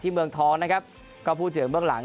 ที่เมืองท้อนนะครับก็พูดเจอกับเบื้องหลัง